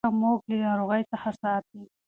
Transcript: کرکه موږ د ناروغۍ څخه ساتي.